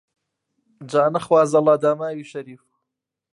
جا نەخوازەڵا داماوی شەریف